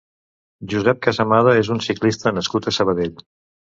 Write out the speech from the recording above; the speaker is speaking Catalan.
Josep Casamada és un ciclista nascut a Sabadell.